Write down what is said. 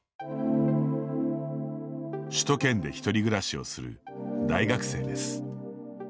首都圏で１人暮らしをする大学生です。